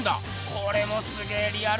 これもすげえリアルだな。